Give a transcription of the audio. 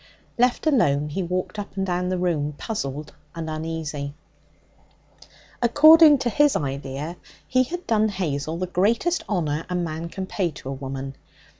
Left alone, he walked up and down the room, puzzled and uneasy. According to his idea, he had done Hazel the greatest honour a man can pay to a woman.